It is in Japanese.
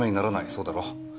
そうだろ？